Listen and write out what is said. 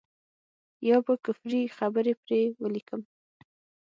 يا به کفري خبرې پرې وليکم.